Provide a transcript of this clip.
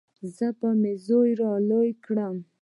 زه به مې زوى رالوى کم.